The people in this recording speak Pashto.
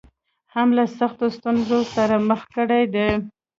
هم له سختو ستونزو سره مخ کړې دي.